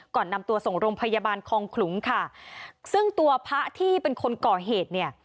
ก่อนนำตัวส่งโรงพยาบาลคองขลุงค่ะซึ่งตัวพระที่เป็นคนก่อเหตุเนี่ย